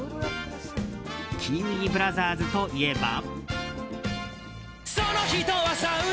キウイブラザーズといえば。